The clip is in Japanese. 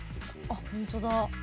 あっ本当だ。